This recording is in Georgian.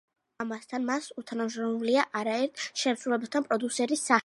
ამასთან, მას უთანამშრომლია არაერთ შემსრულებელთან პროდიუსერის სახით.